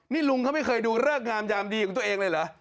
นี่ลุงเขาไม่เคยดูเริกงามยามดีของตัวเองเลยเหรอ